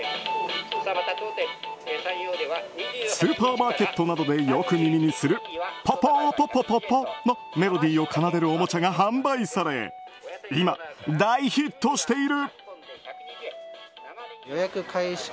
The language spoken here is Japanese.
スーパーマーケットなどでよく耳にするポポーポポポポのメロディーを奏でるおもちゃが販売され今、大ヒットしている。